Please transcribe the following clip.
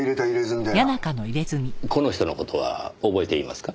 この人の事は覚えていますか？